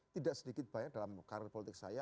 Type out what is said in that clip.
tidak sedikit banyak dalam karir politik saya